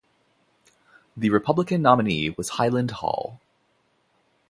The Republican nominee was Hiland Hall.